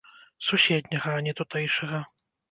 Суседняга, а не тутэйшага.